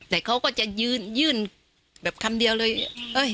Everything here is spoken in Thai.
แต่เขาก็จะยื่นยื่นแบบคำเดียวเลย